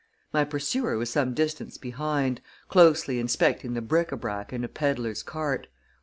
My pursuer was some distance behind, closely inspecting the bric à brac in a peddler's cart.